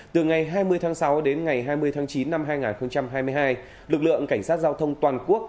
từ ngày hai mươi tháng sáu đến ngày hai mươi tháng chín năm hai nghìn hai mươi hai lực lượng cảnh sát giao thông toàn quốc